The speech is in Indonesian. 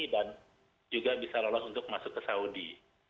dan juga bisa lolos untuk masuk ke saudi